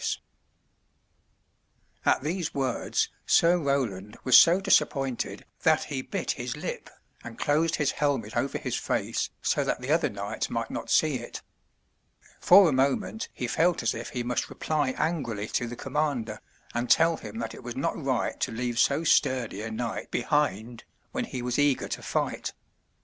205 MY BOOK HOUSE At these words Sir Roland was so dis appointed that he bit his lip, and closed his helmet over his face so that the other knights might not see it. For a moment he felt as if he must reply angrily to the commander, and tell him that it was not right to leave so sturdy a knight behind, when he was eager to fight.